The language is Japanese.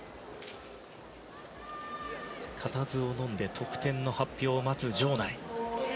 固唾をのんで得点の発表を待つ場内。